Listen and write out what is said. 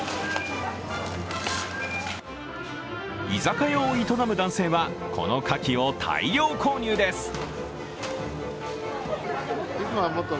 居酒屋を営む男性は、このかきを大量購入です。